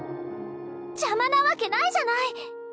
邪魔なわけないじゃない！